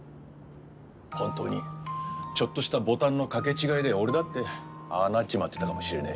本当にちょっとしたボタンの掛け違いで俺だってああなっちまってたかもしれねえ。